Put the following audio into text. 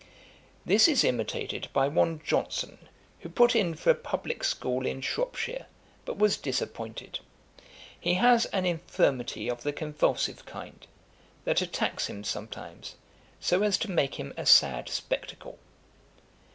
'This is imitated by one Johnson who put in for a Publick school in Shropshire, but was disappointed. He has an infirmity of the convulsive kind, that attacks him sometimes, so as to make him a sad Spectacle.